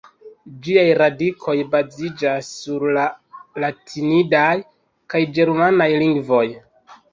Ĝiaj radikoj baziĝas sur la latinidaj kaj ĝermanaj lingvoj.